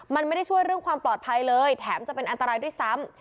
มันไม่ได้ช่วยเรื่องความปลอดภัยเลยแถมจะเป็นอันตรายด้วยซ้ำ